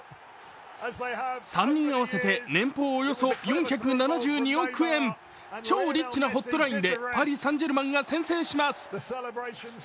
３人合わせて、年俸およそ４７２億円、超リッチなホットラインでパリ・サン＝ジェルマンが先制します。